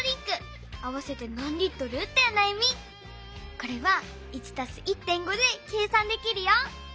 これは「１＋１．５」で計算できるよ。